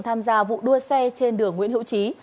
tham gia vụ đua xe trên đường nguyễn hữu trí